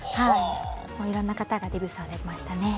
いろんな方がデビューされましたね。